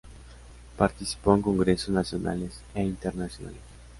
Participó en congresos nacionales e internacionales.